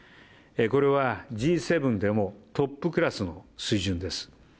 これはＧ７でもトップクラスの水準です。